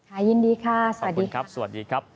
อ่ะยินดีค่ะสวัสดีครับสวัสดีครับสวัสดีครับ